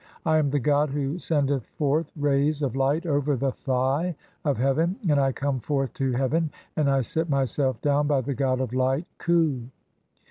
I am the god who sendeth forth rays of "light over the Thigh of (3) heaven, and I come forth to heaven "and I sit myself down by the God of Light (Khu).